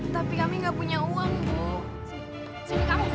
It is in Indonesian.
tapi kami nggak punya uang bu